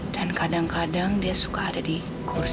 dan kadang kadang dia suka ada di kota